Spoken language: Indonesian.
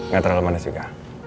gak terlalu manis juga